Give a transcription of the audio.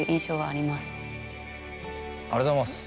ありがとうございます。